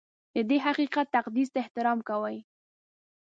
د دې حقیقت تقدس ته احترام کوي.